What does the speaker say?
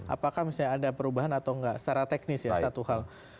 apakah misalnya ada perubahan atau nggak secara teknis ya satu hal